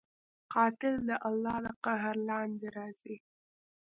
قاتل د الله د قهر لاندې راځي